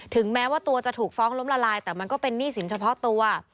แม้ว่าตัวจะถูกฟ้องล้มละลายแต่มันก็เป็นหนี้สินเฉพาะตัว